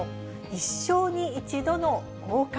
一生に一度の王冠。